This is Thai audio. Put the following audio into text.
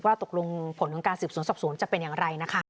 ตกลงผลของการสืบสวนสอบสวนจะเป็นอย่างไรนะคะ